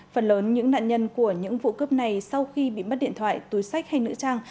phần lớn những nạn nhân của những vụ cướp này sau khi bị mất điện thoại túi sách hay nữ trang